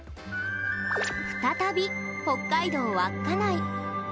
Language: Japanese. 再び、北海道稚内。